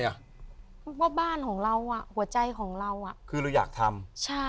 เพราะว่าบ้านของเราหัวใจของเราคือเราอยากทำ